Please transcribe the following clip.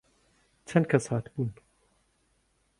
چەند کەس هاتبوون؟